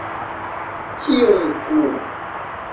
Kion plu?